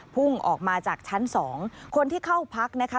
พุ่งออกมาจากชั้น๒คนที่เข้าพักนะคะ